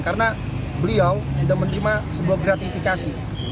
karena beliau sudah menerima sebuah kreatifikasi